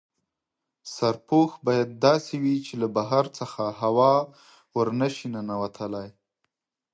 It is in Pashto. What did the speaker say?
سرپوښ باید داسې وي چې له بهر څخه هوا ور نه شي ننوتلای.